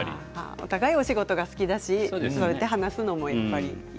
お互いお仕事が好きだし話すのもやっぱり。